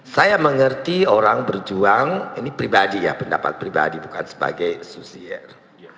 saya mengerti orang berjuang ini pribadi ya pendapat pribadi bukan sebagai susier